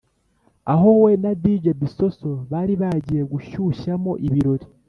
aho we na dj bisosso bari bagiye gushyushyamo ibirori